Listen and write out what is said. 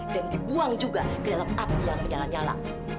dan dibuang juga ke dalam api yang menyala nyala